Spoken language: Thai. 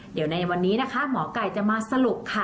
เดี๋ยวในวันนี้นะคะหมอไก่จะมาสรุปค่ะ